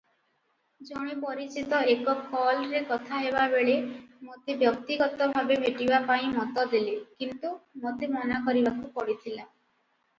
ଜଣେ ପରିଚିତ ଏକ କଲରେ କଥା ହେବା ବେଳେ ମୋତେ ବ୍ୟକ୍ତିଗତ ଭାବେ ଭେଟିବା ପାଇଁ ମତ ଦେଲେ କିନ୍ତୁ ମୋତେ ମନା କରିବାକୁ ପଡ଼ିଥିଲା ।